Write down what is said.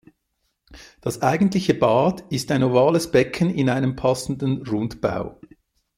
Das eigentliche Bad ist ein ovales Becken in einem passenden Rundbau.